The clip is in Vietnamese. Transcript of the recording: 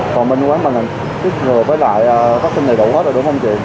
còn bên quán bằng chức người với lại phát sinh đầy đủ hết là đủ không chị